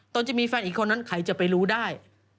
ตนจะมีแฟนอีกคนนั้นใครจะไปรู้ได้